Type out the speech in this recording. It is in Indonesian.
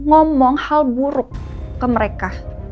ngomong hal buruk ke mereka